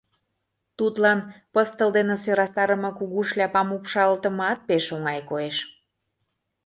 Тудлан пыстыл дене сӧрастарыме кугу шляпам упшалтымат, пеш оҥай коеш.